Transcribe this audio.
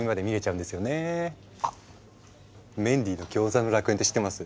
あっ「メンディーのギョーザの楽園」って知ってます？